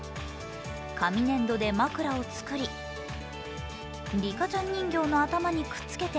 紙粘土で枕を作り、リカちゃん人形の頭にくっつけて